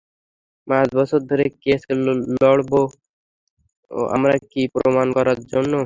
মাস, বছর ধরে কেস লড়বো আমরা, কী প্রমান করার জন্যে?